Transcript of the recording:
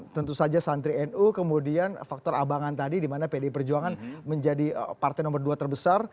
tentu saja santri nu kemudian faktor abangan tadi di mana pdi perjuangan menjadi partai nomor dua terbesar